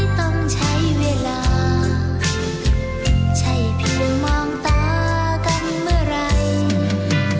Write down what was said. ต้องใช้เวลาใช่เพียงมองตากันเมื่อไหร่